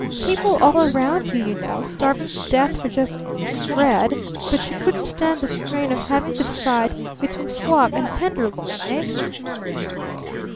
People all around you, you know, starving to death for just bread; but she couldn't stand the strain of having to decide between squab and tenderloin! Eh?"